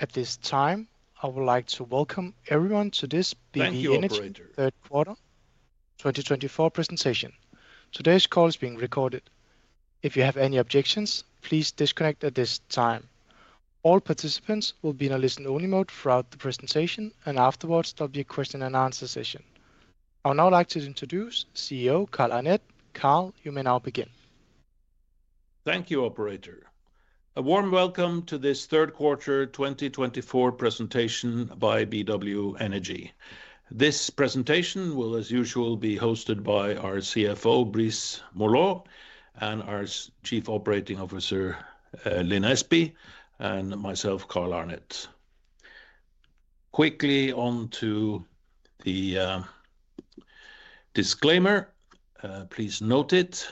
At this time, I would like to welcome everyone to this BW Energy Carl Arnet 2024 presentation. Today's call is being recorded. If you have any objections, please disconnect at this time. All participants will be in a listen-only mode throughout the presentation, and afterwards, there'll be a question-and-answer session. I would now like to introduce CEO Carl Arnet. Carl, you may now begin. Thank you, Operator. A warm welcome to this third quarter 2024 presentation by BW Energy. This presentation will, as usual, be hosted by our CFO, Brice Morlot, and our Chief Operating Officer, Lin Espey, and myself, Carl Arnet. Quickly on to the disclaimer. Please note it.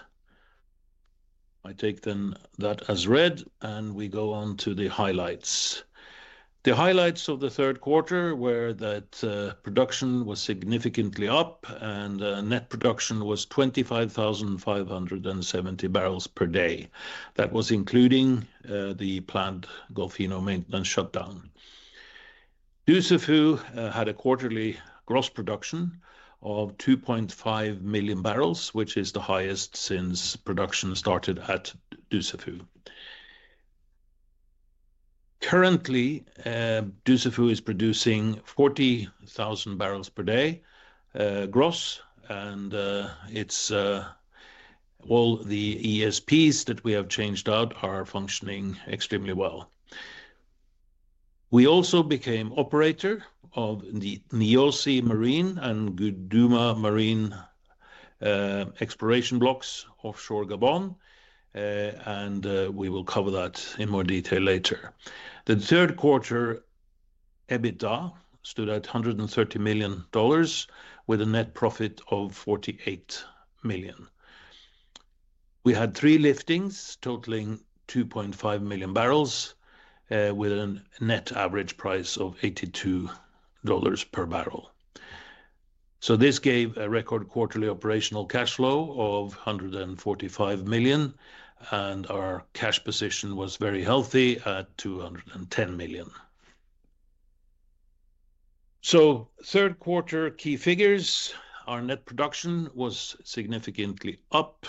I take then that as read, and we go on to the highlights. The highlights of the third quarter were that production was significantly up, and net production was 25,570 barrels per day. That was including the planned Golfinho maintenance shutdown. Dussafu had a quarterly gross production of 2.5 million barrels, which is the highest since production started at Dussafu. Currently, Dussafu is producing 40,000 barrels per day gross, and all the ESPs that we have changed out are functioning extremely well. We also became operator of the Niosi Marin and Guduma Marine exploration blocks offshore Gabon, and we will cover that in more detail later. The third quarter EBITDA stood at $130 million with a net profit of $48 million. We had three liftings totaling 2.5 million barrels with a net average price of $82 per barrel, so this gave a record quarterly operational cash flow of $145 million, and our cash position was very healthy at $210 million, so third quarter key figures: our net production was significantly up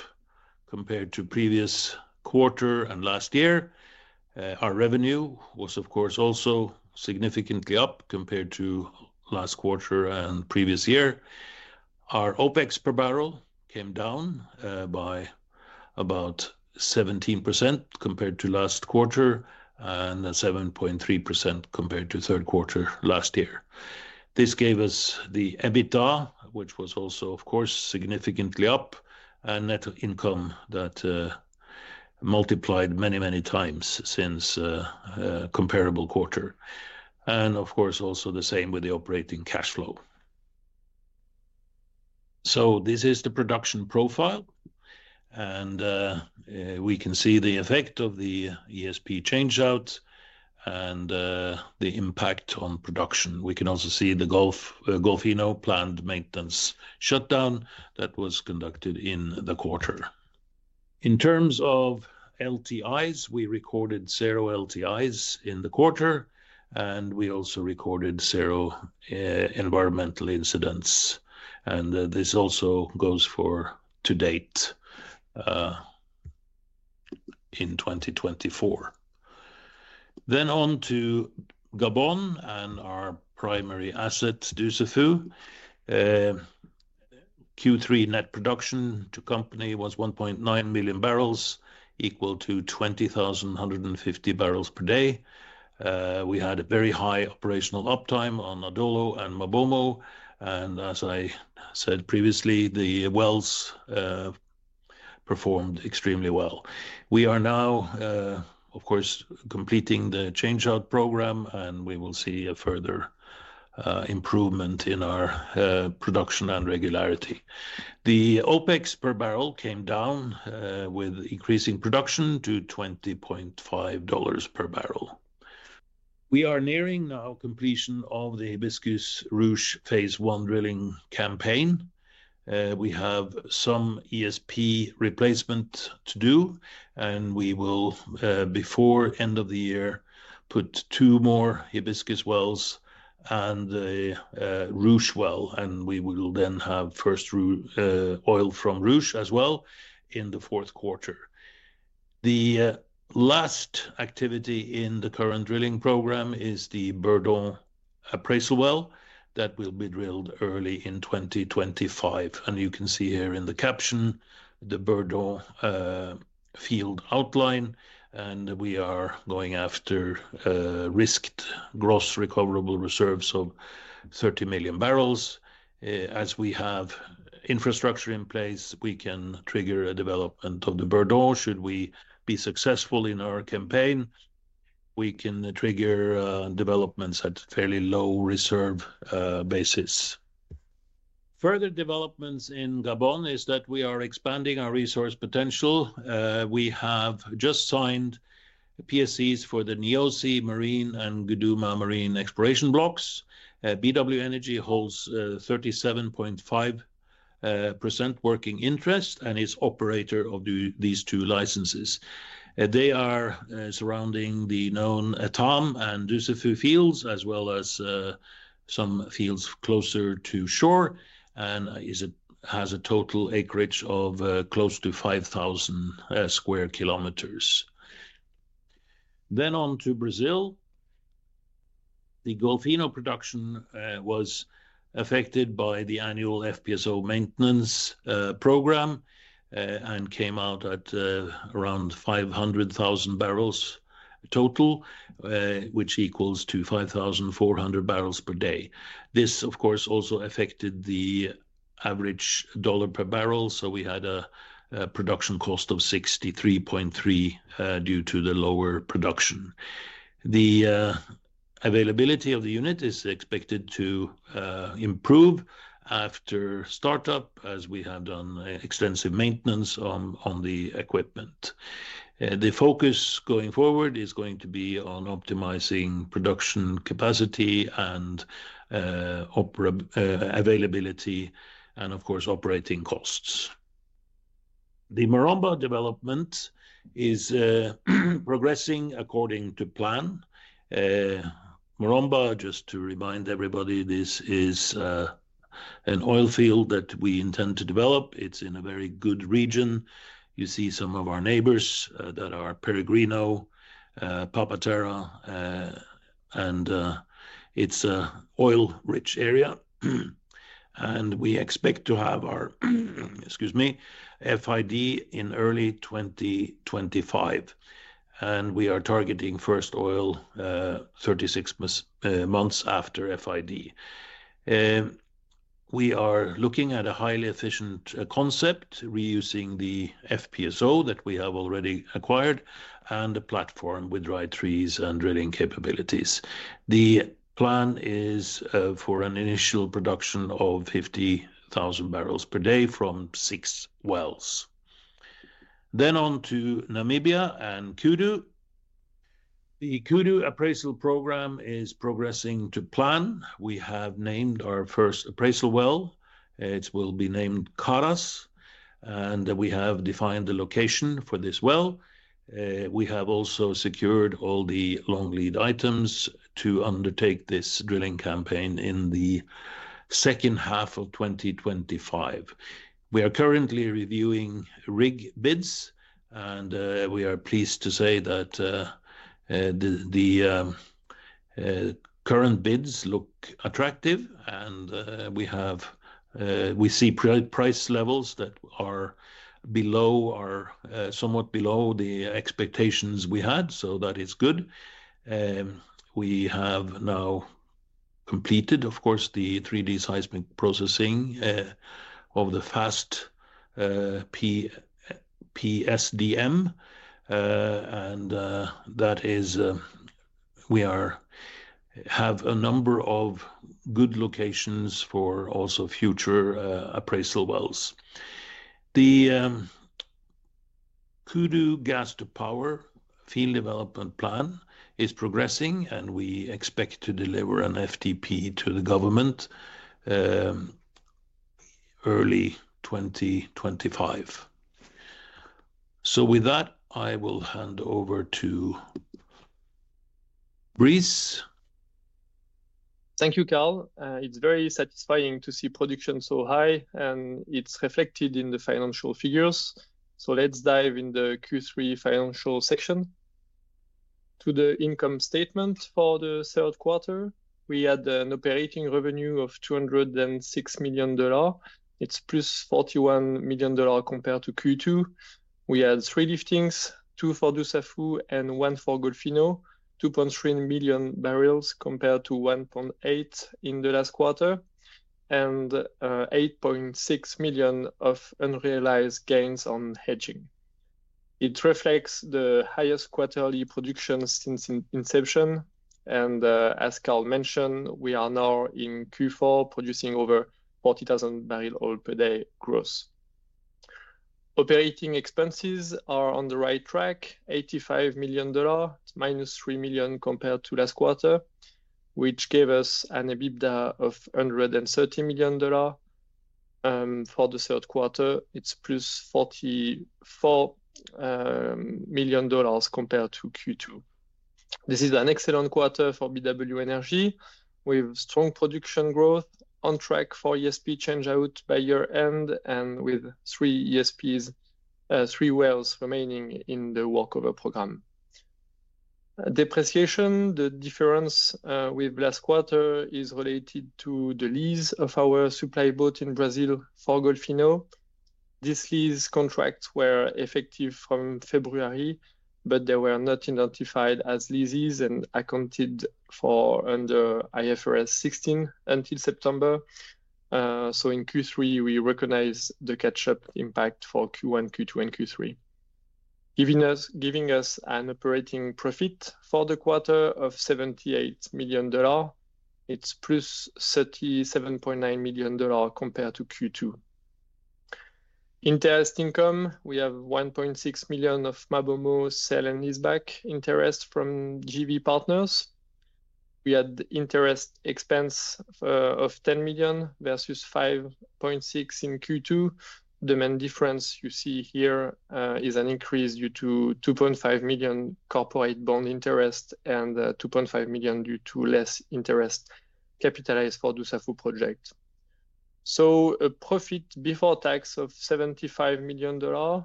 compared to previous quarter and last year. Our revenue was, of course, also significantly up compared to last quarter and previous year. Our OPEX per barrel came down by about 17% compared to last quarter and 7.3% compared to third quarter last year. This gave us the EBITDA, which was also, of course, significantly up, and net income that multiplied many, many times since a comparable quarter, and, of course, also the same with the operating cash flow, so this is the production profile, and we can see the effect of the ESP changeout and the impact on production. We can also see the Golfinho planned maintenance shutdown that was conducted in the quarter. In terms of LTIs, we recorded zero LTIs in the quarter, and we also recorded zero environmental incidents, and this also goes for to date in 2024, then on to Gabon and our primary asset, Dussafu. Q3 net production to company was 1.9 million barrels, equal to 20,150 barrels per day. We had a very high operational uptime on Adolo and Mabomo, and as I said previously, the wells performed extremely well. We are now, of course, completing the changeout program, and we will see a further improvement in our production and regularity. The OPEX per barrel came down with increasing production to $20.5 per barrel. We are nearing now completion of the Hibiscus Ruche phase one drilling campaign. We have some ESP replacement to do, and we will, before end of the year, put two more Hibiscus wells and a Ruche well, and we will then have first oil from Ruche as well in the fourth quarter. The last activity in the current drilling program is the Bourdon appraisal well that will be drilled early in 2025, and you can see here in the caption the Bourdon field outline, and we are going after risked gross recoverable reserves of 30 million barrels. As we have infrastructure in place, we can trigger a development of the Bourdon. Should we be successful in our campaign, we can trigger developments at a fairly low reserve basis. Further developments in Gabon are that we are expanding our resource potential. We have just signed PSCs for the Niosi Marin and Guduma Marine exploration blocks. BW Energy holds 37.5% working interest and is operator of these two licenses. They are surrounding the known Etame and Dussafu fields, as well as some fields closer to shore, and it has a total acreage of close to 5,000 sq km. Then on to Brazil. The Golfinho production was affected by the annual FPSO maintenance program and came out at around 500,000 barrels total, which equals to 5,400 barrels per day. This, of course, also affected the average dollar per barrel, so we had a production cost of $63.3 due to the lower production. The availability of the unit is expected to improve after startup, as we had done extensive maintenance on the equipment. The focus going forward is going to be on optimizing production capacity and availability, and of course, operating costs. The Maromba development is progressing according to plan. Maromba, just to remind everybody, this is an oil field that we intend to develop. It's in a very good region. You see some of our neighbors that are Peregrino, Papa-Terra, and it's an oil-rich area. And we expect to have our, excuse me, FID in early 2025, and we are targeting first oil 36 months after FID. We are looking at a highly efficient concept, reusing the FPSO that we have already acquired and a platform with dry trees and drilling capabilities. The plan is for an initial production of 50,000 barrels per day from six wells. Now on to Namibia and Kudu. The Kudu appraisal program is progressing to plan. We have named our first appraisal well. It will be named Karas, and we have defined the location for this well. We have also secured all the long lead items to undertake this drilling campaign in the second half of 2025. We are currently reviewing rig bids, and we are pleased to say that the current bids look attractive, and we see price levels that are below, somewhat below the expectations we had, so that is good. We have now completed, of course, the 3D seismic processing of the fast PSDM, and that is, we have a number of good locations for also future appraisal wells. The Kudu gas-to-power field development plan is progressing, and we expect to deliver an FDP to the government early 2025. With that, I will hand over to Brice. Thank you, Carl. It's very satisfying to see production so high, and it's reflected in the financial figures. So let's dive in the Q3 financial section. To the income statement for the third quarter, we had an operating revenue of $206 million. It's plus $41 million compared to Q2. We had three liftings, two for Dussafu and one for Golfinho, 2.3 million barrels compared to 1.8 in the last quarter, and 8.6 million of unrealized gains on hedging. It reflects the highest quarterly production since inception, and as Carl mentioned, we are now in Q4 producing over 40,000 barrels per day gross. Operating expenses are on the right track, $85 million, minus $3 million compared to last quarter, which gave us an EBITDA of $130 million. For the third quarter, it's plus $44 million compared to Q2. This is an excellent quarter for BW Energy with strong production growth, on track for ESP changeout by year-end, and with three ESPs, three wells remaining in the workover program. Depreciation, the difference with last quarter, is related to the lease of our supply boat in Brazil for Golfinho. These lease contracts were effective from February, but they were not identified as leases and accounted for under IFRS 16 until September. So in Q3, we recognize the catch-up impact for Q1, Q2, and Q3, giving us an operating profit for the quarter of $78 million. It's plus $37.9 million compared to Q2. Interest income, we have $1.6 million of Mabomo sale and leaseback interest from GV Partners. We had interest expense of $10 million versus $5.6 million in Q2. The main difference you see here is an increase due to $2.5 million corporate bond interest and $2.5 million due to less interest capitalized for Dussafu project. So a profit before tax of $75 million.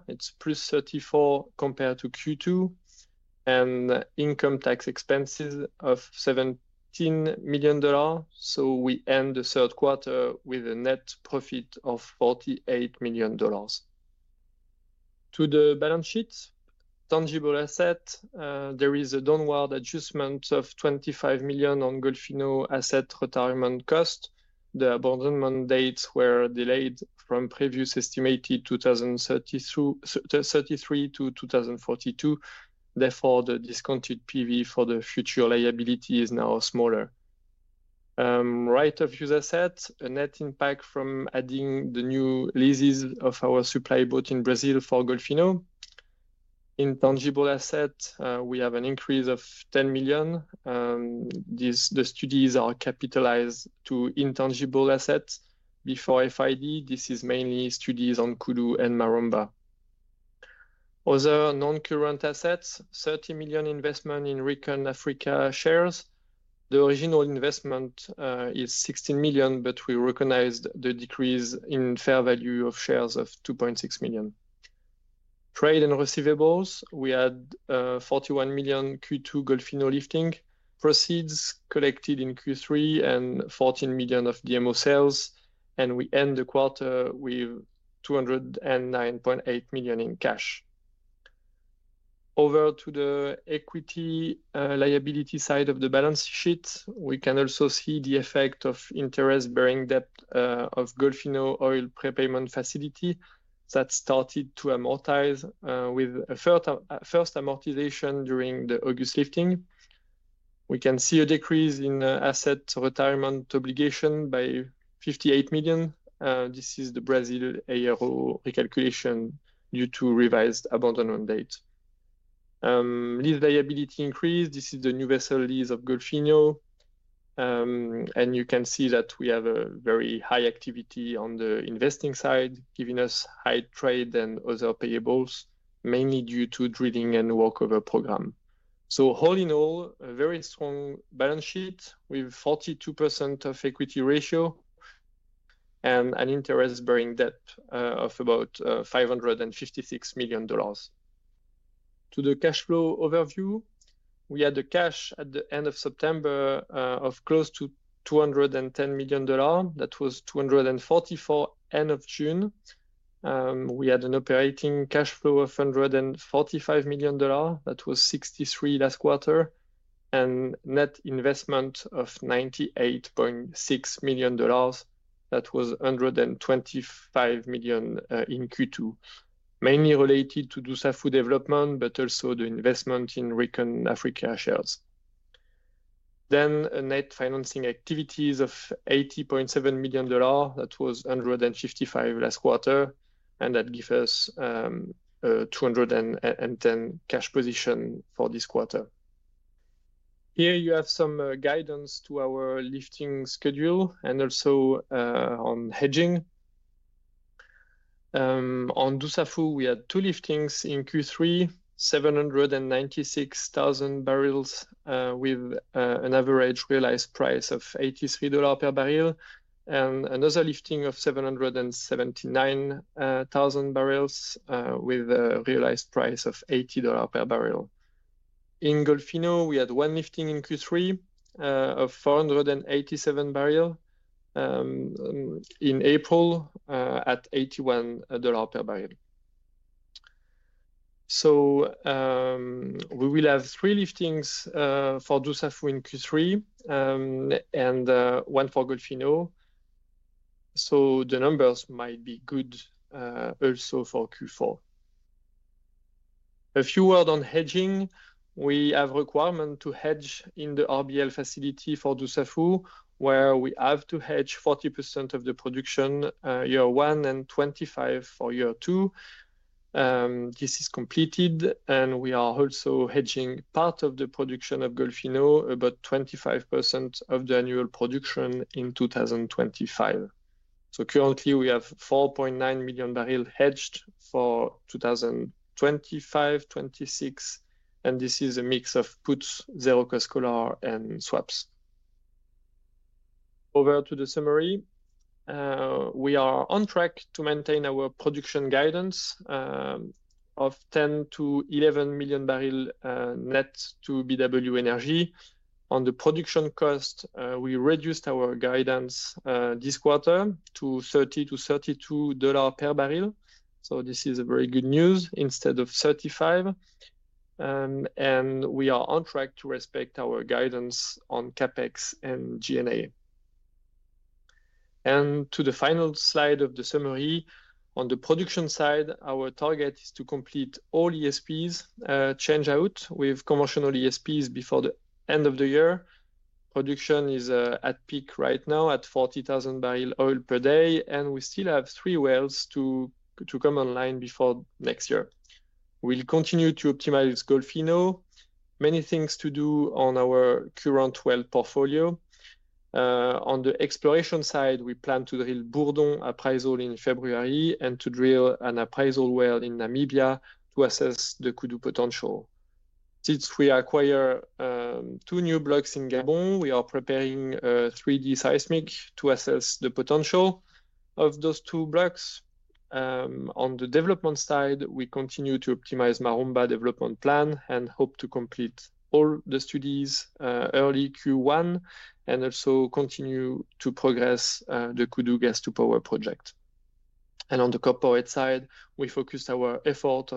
It's plus $34 million compared to Q2, and income tax expenses of $17 million. So we end the third quarter with a net profit of $48 million. To the balance sheet, tangible asset, there is a downward adjustment of $25 million on Golfinho asset retirement cost. The abandonment dates were delayed from previous estimated 2033 to 2042. Therefore, the discounted PV for the future liability is now smaller. Right of use asset, a net impact from adding the new leases of our supply boat in Brazil for Golfinho. Intangible asset, we have an increase of $10 million. The studies are capitalized to intangible assets before FID. This is mainly studies on Kudu and Maromba. Other non-current assets, $30 million investment in ReconAfrica shares. The original investment is $16 million, but we recognized the decrease in fair value of shares of $2.6 million. Trade and receivables, we had $41 million Q2 Golfinho lifting proceeds collected in Q3 and $14 million of DMO sales, and we end the quarter with $209.8 million in cash. Over to the equity liability side of the balance sheet, we can also see the effect of interest bearing debt of Golfinho oil prepayment facility that started to amortize with a first amortization during the August lifting. We can see a decrease in asset retirement obligation by $58 million. This is the Brazil ARO recalculation due to revised abandonment date. Lease liability increase, this is the new vessel lease of Golfinho, and you can see that we have a very high activity on the investing side, giving us high trade and other payables, mainly due to drilling and workover program. So all in all, a very strong balance sheet with 42% of equity ratio and an interest bearing debt of about $556 million. To the cash flow overview, we had the cash at the end of September of close to $210 million. That was $244 end of June. We had an operating cash flow of $145 million. That was $63 last quarter and net investment of $98.6 million. That was $125 million in Q2, mainly related to Dussafu development, but also the investment in ReconAfrica shares. Then net financing activities of $80.7 million. That was $155 last quarter, and that gives us a $210 cash position for this quarter. Here you have some guidance to our lifting schedule and also on hedging. On Dussafu, we had two liftings in Q3, 796,000 with an average realized price of $83 per barrel and another lifting of 779,000 with a realized price of $80 per barrel. In Golfinho, we had one lifting in Q3 of 487,000 in April at $81 per barrel. So we will have three liftings for Dussafu in Q3 and one for Golfinho. So the numbers might be good also for Q4. A few words on hedging. We have a requirement to hedge in the RBL facility for Dussafu, where we have to hedge 40% of the production year one and 25% for year two. This is completed, and we are also hedging part of the production of Golfinho, about 25% of the annual production in 2025. Currently, we have 4.9 million barrels hedged for 2025-2026, and this is a mix of puts, zero cost collar, and swaps. Over to the summary. We are on track to maintain our production guidance of 10-11 million barrels net to BW Energy. On the production cost, we reduced our guidance this quarter to $30-$32 per barrel. This is very good news instead of $35. We are on track to respect our guidance on CAPEX and G&A. To the final Slide of the summary, on the production side, our target is to complete all ESPs changeout with conventional ESPs before the end of the year. Production is at peak right now at 40,000 barrels oil per day, and we still have three wells to come online before next year. We'll continue to optimize Golfinho. Many things to do on our current well portfolio. On the exploration side, we plan to drill Bourdon appraisal in February and to drill an appraisal well in Namibia to assess the Kudu potential. Since we acquire two new blocks in Gabon, we are preparing 3D seismic to assess the potential of those two blocks. On the development side, we continue to optimize Maromba development plan and hope to complete all the studies early Q1 and also continue to progress the Kudu gas-to-power project. And on the corporate side, we focused our effort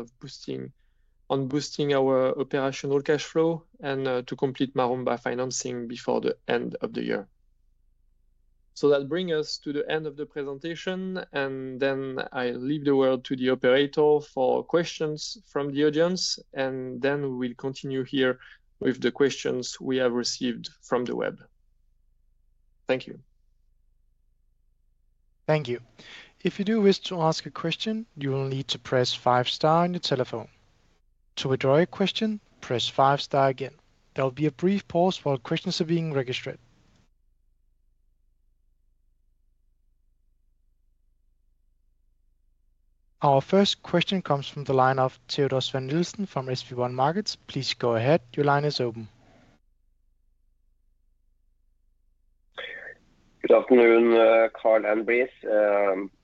on boosting our operational cash flow and to complete Maromba financing before the end of the year. So that brings us to the end of the presentation, and then I leave the word to the operator for questions from the audience, and then we'll continue here with the questions we have received from the web. Thank you. Thank you. If you do wish to ask a question, you will need to press five star on your telephone. To withdraw your question, press five star again. There will be a brief pause while questions are being registered. Our first question comes from the line of Teodor Sveen-Nilsen from SB1 Markets. Please go ahead. Your line is open. Good afternoon, Carl and Brice.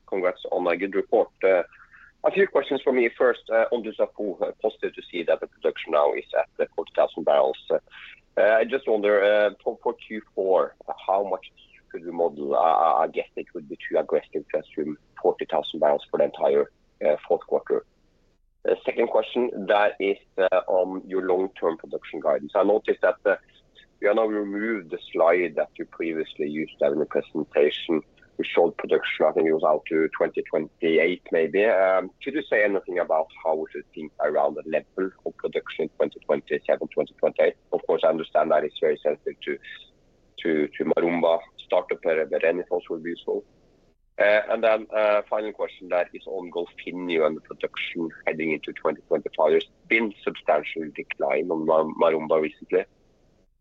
Congrats on a good report. A few questions for me first. On Dussafu, positive to see that the production now is at 40,000 barrels. I just wonder for Q4, how much could we model? I guess it would be too aggressive to assume 40,000 barrels for the entire fourth quarter. Second question, that is on your long-term production guidance. I noticed that we have now removed the Slide that you previously used in the presentation. We showed production I think it was out to 2028 maybe. Could you say anything about how it would be around the level of production in 2027, 2028? Of course, I understand that it's very sensitive to Maromba. Startup per revenue also would be useful. And then final question, that is on Golfinho and the production heading into 2025. There's been a substantial decline on Maromba recently.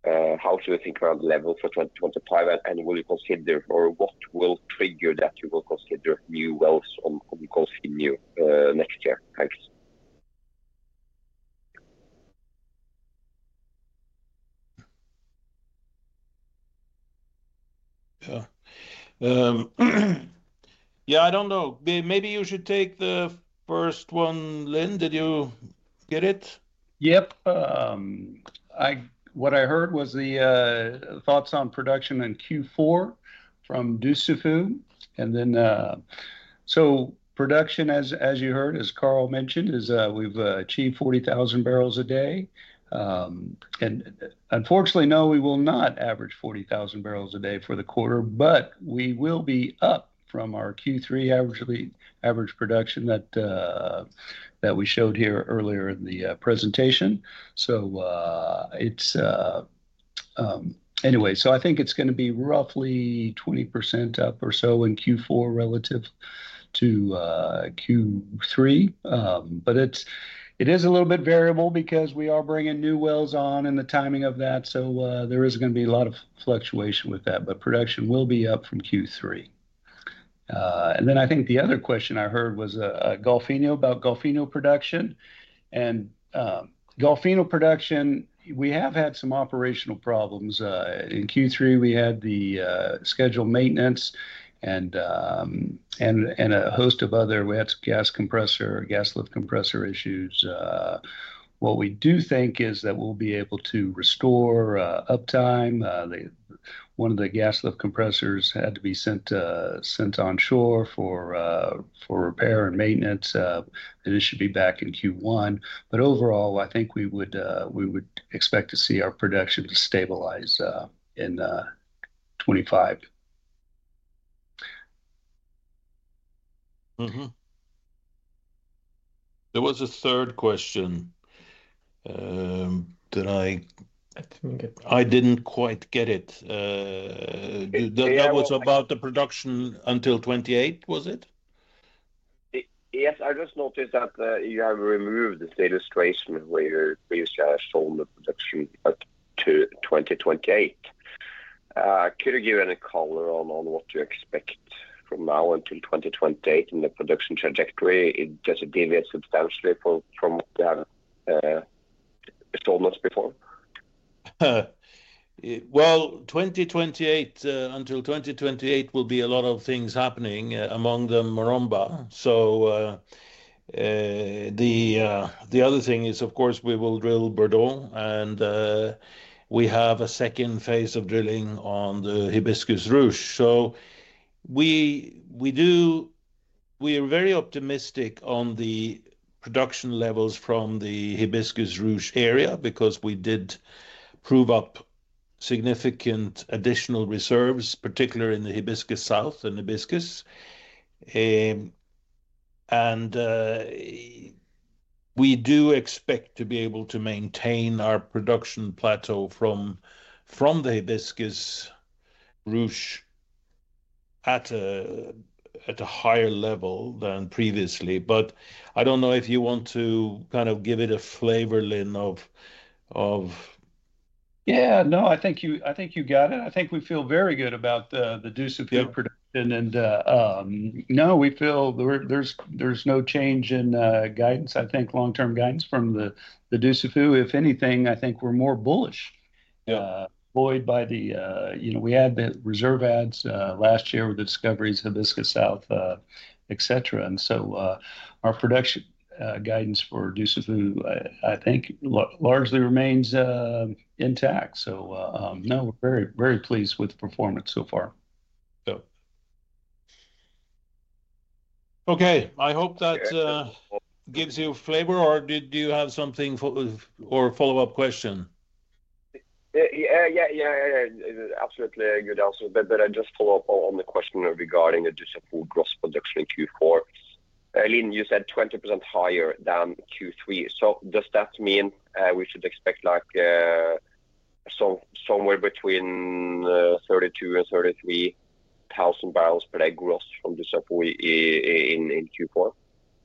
How do you think around the level for 2025, and will you consider, or what will trigger that you will consider new wells on Golfinho next year? Thanks. Yeah, I don't know. Maybe you should take the first one, Lin. Did you get it? Yep. What I heard was the thoughts on production in Q4 from Dussafu. And then so production, as you heard, as Carl mentioned, is we've achieved 40,000 barrels a day. And unfortunately, no, we will not average 40,000 barrels a day for the quarter, but we will be up from our Q3 average production that we showed here earlier in the presentation. So anyway, so I think it's going to be roughly 20% up or so in Q4 relative to Q3. But it is a little bit variable because we are bringing new wells on and the timing of that. So there is going to be a lot of fluctuation with that, but production will be up from Q3. And then I think the other question I heard was about Golfinho production. And Golfinho production, we have had some operational problems. In Q3, we had the scheduled maintenance and a host of other gas lift compressor issues. What we do think is that we'll be able to restore uptime. One of the gas lift compressors had to be sent onshore for repair and maintenance. It should be back in Q1. But overall, I think we would expect to see our production stabilize in 2025. There was a third question. Did I? I didn't quite get it. That was about the production until 2028, was it? Yes, I just noticed that you have removed this illustration where you show the production up to 2028. Could you give any color on what to expect from now until 2028 in the production trajectory? Does it deviate substantially from what you have shown us before? Until 2028, there will be a lot of things happening, among them Maromba. So the other thing is, of course, we will drill Bourdon, and we have a second phase of drilling on the Hibiscus Ruche. So we are very optimistic on the production levels from the Hibiscus Ruche area because we did prove up significant additional reseHibiscus Ruche, particularly in the Hibiscus South and Hibiscus. And we do expect to be able to maintain our production plateau from the Hibiscus Ruche at a higher level than previously. But I don't know if you want to kind of give it a flavor, Lin, of. Yeah, no, I think you got it. I think we feel very good about the Dussafu production. And no, we feel there's no change in guidance, I think, long-term guidance from the Dussafu. If anything, I think we're more bullish. We had the reserve adds last year with the discoveries, Hibiscus South, etc. And so our production guidance for Dussafu, I think, largely remains intact. So no, we're very pleased with the performance so far. Okay. I hope that gives you flavor, or did you have something or a follow-up question? Yeah, yeah, yeah. Absolutely a good answer. But I just follow up on the question regarding the Dussafu gross production in Q4. Lin, you said 20% higher than Q3. So does that mean we should expect somewhere between 32,000 and 33,000 barrels per day gross from Dussafu in Q4?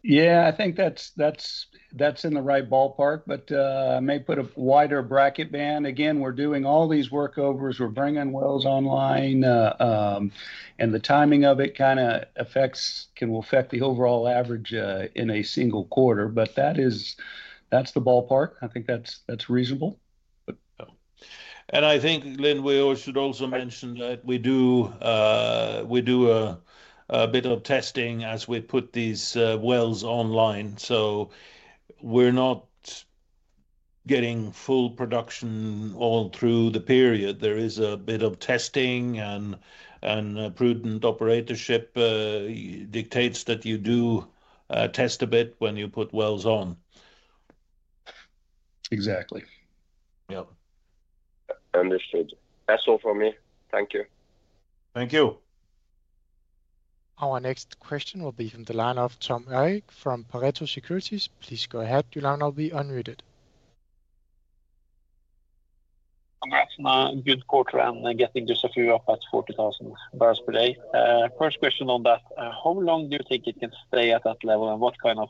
Yeah, I think that's in the right ballpark, but I may put a wider bracket band. Again, we're doing all these workovers. We're bringing wells online, and the timing of it kind of affects the overall average in a single quarter. But that's the ballpark. I think that's reasonable. I think, Lin, we should also mention that we do a bit of testing as we put these wells online. So we're not getting full production all through the period. There is a bit of testing, and prudent operatorship dictates that you do test a bit when you put wells on. Exactly. Yep. Understood. That's all from me. Thank you. Thank you. Our next question will be from the line of Tom Erik from Pareto Securities. Please go ahead. Your line will be unmuted. Congrats on a good quarter and getting Dussafu up at 40,000 barrels per day. First question on that. How long do you think it can stay at that level, and what kind of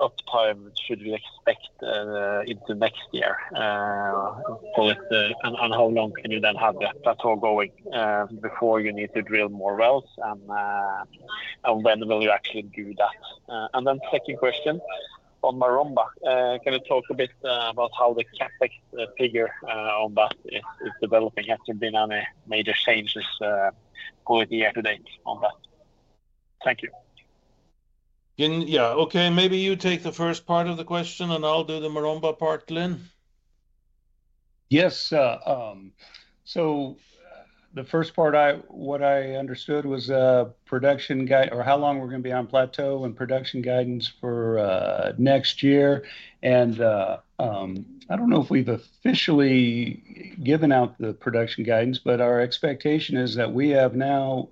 uptime should we expect into next year? And how long can you then have that plateau going before you need to drill more wells, and when will you actually do that? And then second question on Maromba. Can you talk a bit about how the CAPEX figure on that is developing? Has there been any major changes going year to date on that? Thank you. Yeah, okay. Maybe you take the first part of the question, and I'll do the Maromba part, Lin. Yes, so the first part, what I understood was production guidance, or how long we're going to be on plateau and production guidance for next year, and I don't know if we've officially given out the production guidance, but our expectation is that we have now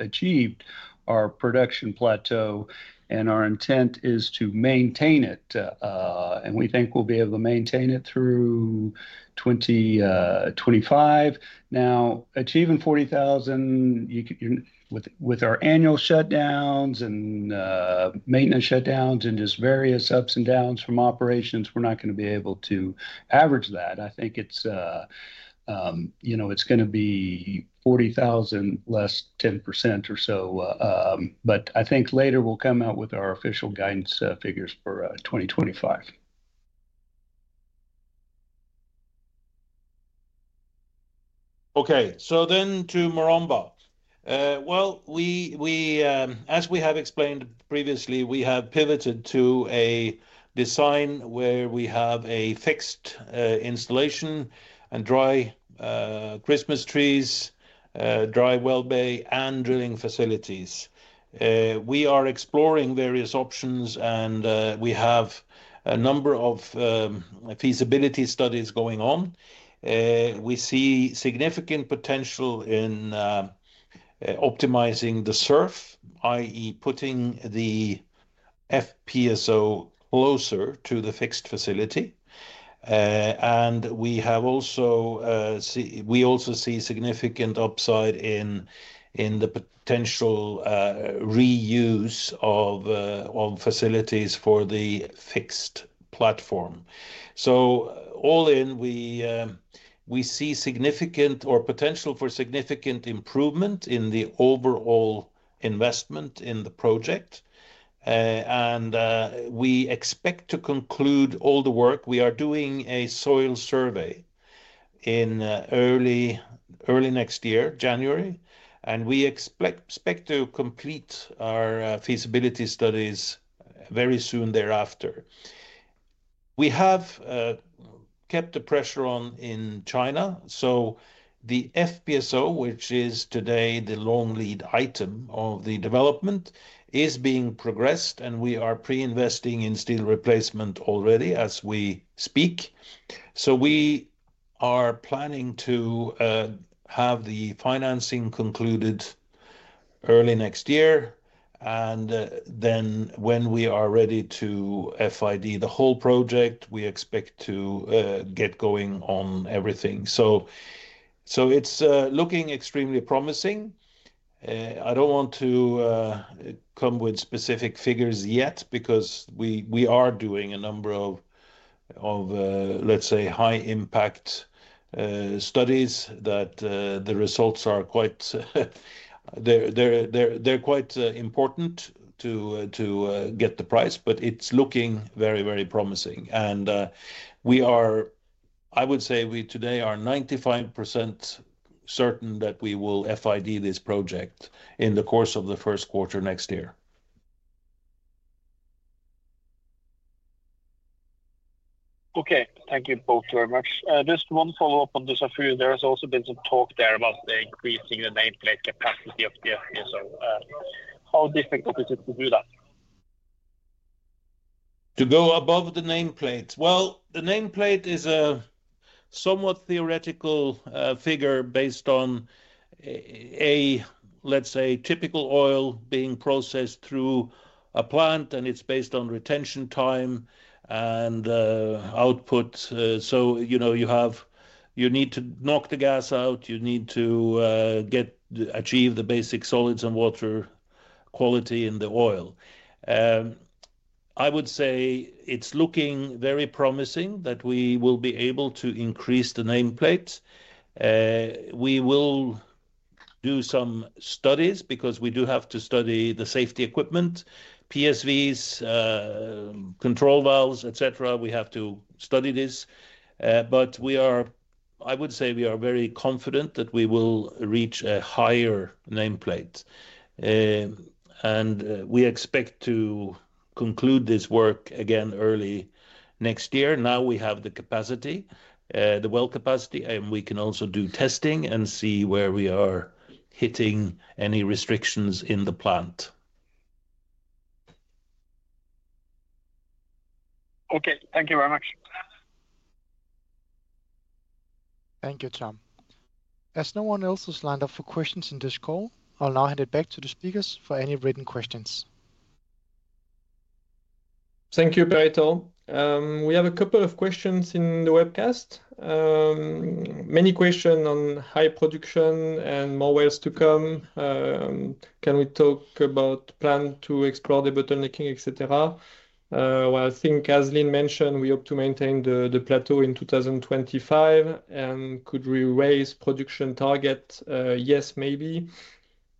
achieved our production plateau, and our intent is to maintain it, and we think we'll be able to maintain it through 2025. Now, achieving 40,000 with our annual shutdowns and maintenance shutdowns and just various ups and downs from operations, we're not going to be able to average that. I think it's going to be 40,000 less 10% or so, but I think later we'll come out with our official guidance figures for 2025. Okay. So then to Maromba. Well, as we have explained previously, we have pivoted to a design where we have a fixed installation and dry Christmas trees, dry well bay, and drilling facilities. We are exploring various options, and we have a number of feasibility studies going on. We see significant potential in optimizing the surf, i.e., putting the FPSO closer to the fixed facility. And we also see significant upside in the potential reuse of facilities for the fixed platform. So all in, we see potential for significant improvement in the overall investment in the project. And we expect to conclude all the work. We are doing a soil survey in early next year, January, and we expect to complete our feasibility studies very soon thereafter. We have kept the pressure on in China. So the FPSO, which is today the long lead item of the development, is being progressed, and we are pre-investing in steel replacement already as we speak. So we are planning to have the financing concluded early next year. And then when we are ready to FID the whole project, we expect to get going on everything. So it's looking extremely promising. I don't want to come with specific figures yet because we are doing a number of, let's say, high-impact studies that the results are quite important to get the price, but it's looking very, very promising. And I would say we today are 95% certain that we will FID this project in the course of the first quarter next year. Okay. Thank you both very much. Just one follow-up on Dussafu. There has also been some talk there about increasing the nameplate capacity of the FPSO. How difficult is it to do that? To go above the nameplate? Well, the nameplate is a somewhat theoretical figure based on, let's say, typical oil being processed through a plant, and it's based on retention time and output. So you need to knock the gas out. You need to achieve the basic solids and water quality in the oil. I would say it's looking very promising that we will be able to increase the nameplate. We will do some studies because we do have to study the safety equipment, PSVs, control valves, etc. We have to study this. But I would say we are very confident that we will reach a higher nameplate. And we expect to conclude this work again early next year. Now we have the well capacity, and we can also do testing and see where we are hitting any restrictions in the plant. Okay. Thank you very much. Thank you, Tom. As no one else has lined up for questions in this call, I'll now hand it back to the speakers for any written questions. Thank you, Bertheau. We have a couple of questions in the webcast. Many questions on high production and more wells to come. Can we talk about the plan to explore the bottlenecking, etc.? Well, I think as Lin mentioned, we hope to maintain the plateau in 2025, and could we raise production target? Yes, maybe.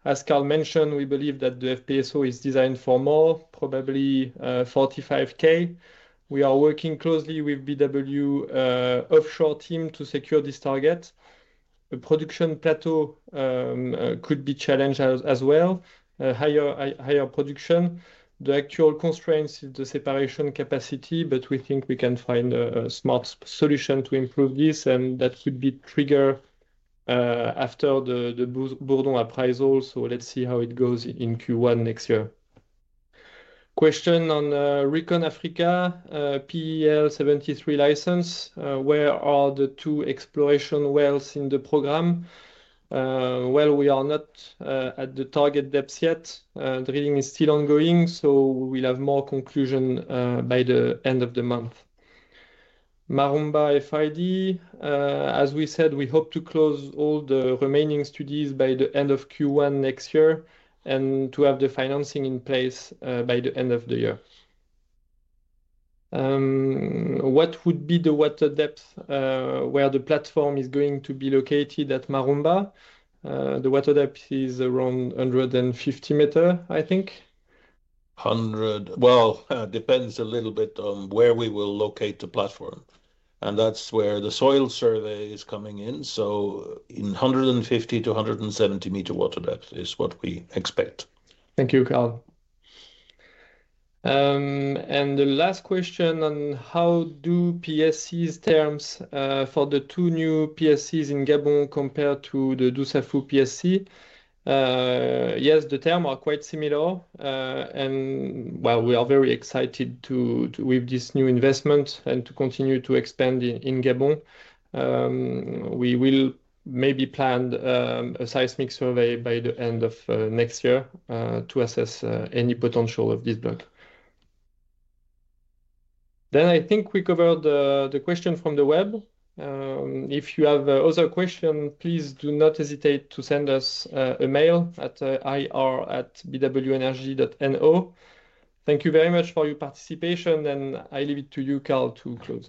As Carl Arnet mentioned, we believe that the FPSO is designed for more, probably 45K. We are working closely with BW Offshore team to secure this target. The production plateau could be challenged as well, higher production. The actual constraint is the separation capacity, but we think we can find a smart solution to improve this, and that could be triggered after the Bourdon appraisal, so let's see how it goes in Q1 next year. Question on ReconAfrica, PEL 73 license. Where are the two exploration wells in the program? We are not at the target depths yet. Drilling is still ongoing, so we'll have more conclusions by the end of the month. Maromba FID. As we said, we hope to close all the remaining studies by the end of Q1 next year and to have the financing in place by the end of the year. What would be the water depth where the platform is going to be located at Maromba? The water depth is around 150 meters, I think. It depends a little bit on where we will locate the platform. That's where the soil survey is coming in. In 150-170 meter water depth is what we expect. Thank you, Carl. And the last question on how do PSCs' terms for the two new PSCs in Gabon compare to the Dussafu PSC? Yes, the terms are quite similar. And while we are very excited with this new investment and to continue to expand in Gabon, we will maybe plan a seismic survey by the end of next year to assess any potential of this block. Then I think we covered the question from the web. If you have other questions, please do not hesitate to send us a mail at ir@bwenergy.no. Thank you very much for your participation, and I leave it to you, Carl, to close.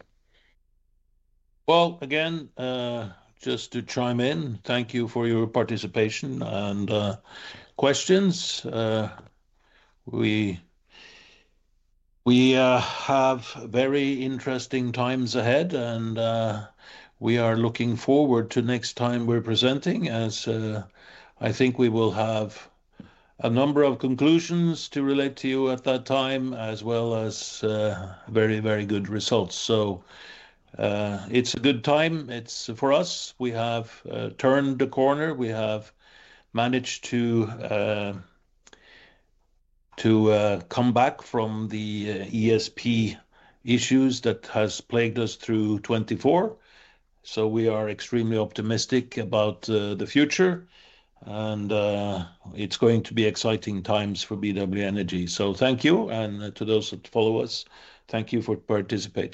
Again, just to chime in, thank you for your participation and questions. We have very interesting times ahead, and we are looking forward to next time we're presenting, as I think we will have a number of conclusions to relate to you at that time, as well as very, very good results. So it's a good time for us. We have turned the corner. We have managed to come back from the ESP issues that have plagued us through 2024. So we are extremely optimistic about the future, and it's going to be exciting times for BW Energy. So thank you. And to those that follow us, thank you for participating.